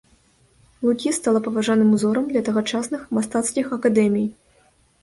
Лукі стала паважаным узорам для тагачасных мастацкіх акадэмій.